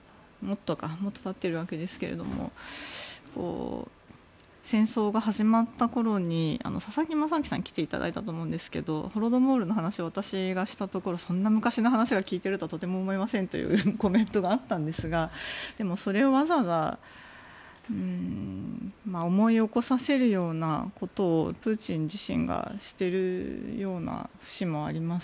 もっとたっているわけですが戦争が始まった頃に佐々木正明さんに来ていただいたと思いますがホロドモールの話を私がしたところそんな昔の話を聞いているとはとても思えませんというコメントがあったんですがそれをわざわざ思い起こさせるようなことをプーチン自身がしているような節もあります